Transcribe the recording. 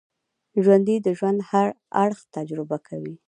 ژوندي د ژوند هر اړخ تجربه کوي